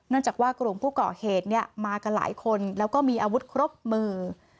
จากว่ากลุ่มผู้ก่อเหตุมากันหลายคนแล้วก็มีอาวุธครบมือ